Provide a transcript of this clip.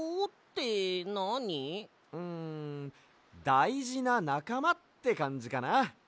だいじななかまってかんじかな。